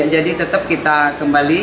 jadi tetap kita kembali